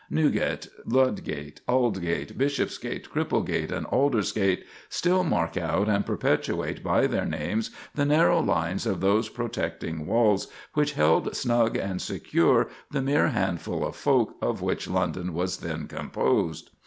Newgate, Ludgate, Aldgate, Bishopsgate, Cripplegate, and Aldersgate, still mark out and perpetuate by their names the narrow lines of those protecting walls which held snug and secure the mere handful of folk of which London was then composed.